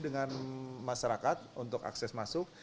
dengan masyarakat untuk akses masuk